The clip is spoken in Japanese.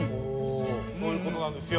そういう事なんですよ。